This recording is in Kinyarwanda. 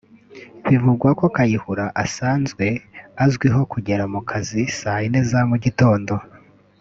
Bivugwa ko Kayihura asanzwe azwiho kugera mu kazi saa yine za mugitondo